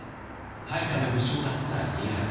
配下の武将だった家康。